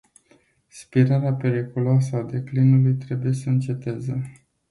Spirala periculoasă a declinului trebuie să înceteze.